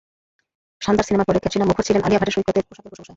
শানদার সিনেমার পরে ক্যাটরিনা মুখর ছিলেন আলিয়া ভাটের সৈকতের পোশাকের প্রশংসায়।